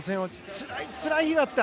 つらいつらい日があった。